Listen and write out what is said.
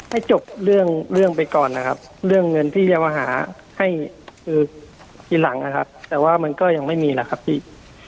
ให้จบเรื่องเรื่องไปก่อนนะครับเรื่องเงินที่จะมาหาให้คือทีหลังนะครับแต่ว่ามันก็ยังไม่มีแหละครับพี่